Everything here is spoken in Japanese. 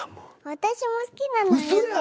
私も好きなのよ。